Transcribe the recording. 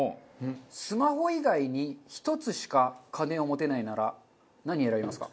スマホ以外に１つしか家電を持てないなら何選びますか？